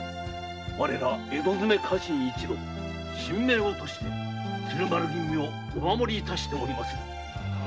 我ら江戸詰め家臣一同身命を賭して鶴丸君をお守り致しておりまする。